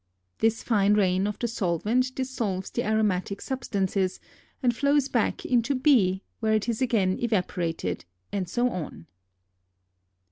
This fine rain of the solvent dissolves the aromatic substances and flows back into B, where it is again evaporated, and so on.